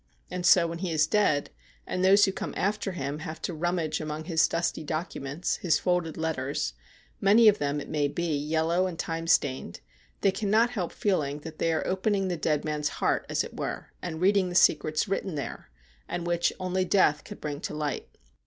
And so, when he is dead, and those who come after him have to rummage among his dusty documents, his folded letters — many of them, it may be, yellow and time stained — they cannot help feeling that they are opening the dead man's heart, as it were, and reading the secrets written there, and which only death could bring to light.